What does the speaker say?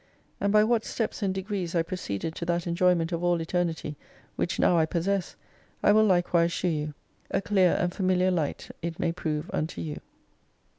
And by what steps and degrees I proceeded to that enjoyment of all Eternity which now I possess I will likewise shew you. A clear and familiar light it may prove unto you.